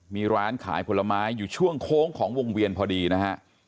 มีร้านขายผลไม้อยู่ช่วงโค้งของวงเวียนพอดีนะฮะ